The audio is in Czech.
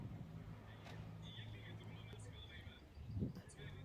Dolní skupiny mohou stejně tak hledat pouze ve skupinách vyšších.